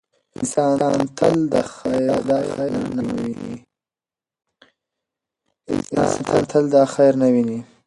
انسان تل دا خیر نه ویني.